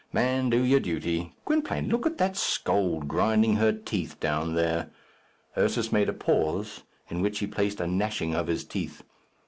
Man, do your duty. Gwynplaine, look at that scold grinding her teeth down there." Ursus made a pause, in which he placed a gnashing of his teeth.